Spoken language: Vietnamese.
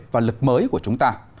và lực mới của chúng ta